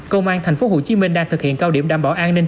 công an thành phố hồ chí minh đang thực hiện cao điểm đảm bảo an ninh